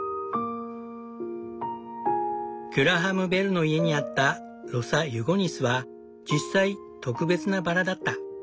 グラハム・ベルの家にあったロサ・ユゴニスは実際特別なバラだった。